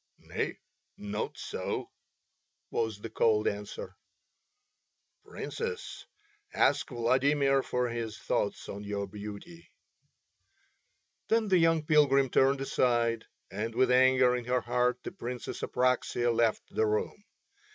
"Nay, not so," was the cold answer. "Princess, ask Vladimir for his thoughts on your beauty." Then the young pilgrim turned aside, and with anger in her heart the Princess Apraxia left the room.